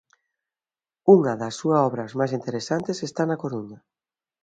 Unha das súa obras máis interesantes está na Coruña.